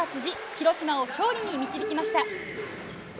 広島を勝利に導きました。